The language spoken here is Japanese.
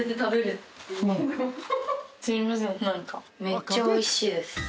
めっちゃおいしいです。